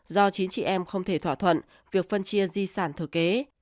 do chín chị em không thể thỏa thuận việc phân chia di sản thừa kế